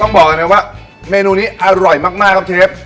ต้องบอกกันนะครับว่าเมนูนี้อร่อยมากครับเชฟ